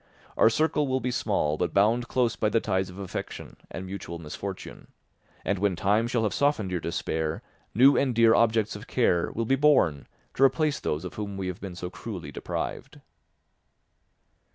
Our circle will be small but bound close by the ties of affection and mutual misfortune. And when time shall have softened your despair, new and dear objects of care will be born to replace those of whom we have been so cruelly deprived."